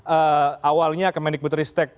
ee awalnya kemendikbutristek